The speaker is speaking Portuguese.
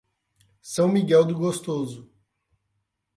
São Miguel do Gostoso